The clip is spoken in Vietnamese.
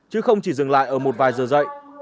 chứ không chỉ dừng lại ở một vài giờ dạy